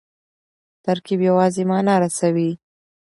ترکیب یوازي مانا رسوي.